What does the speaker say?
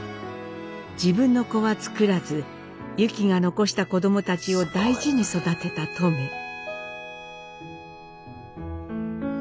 自分の子はつくらずユキが残した子どもたちを大事に育てたトメ。